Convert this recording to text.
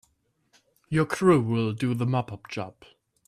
Your crew will do the mop up job.